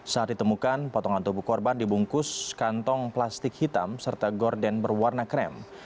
saat ditemukan potongan tubuh korban dibungkus kantong plastik hitam serta gorden berwarna krem